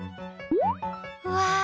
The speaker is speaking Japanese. うわ！